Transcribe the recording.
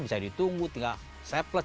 bisa ditunggu tinggal sepuluh